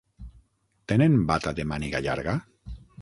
Tenen bata de màniga llarga?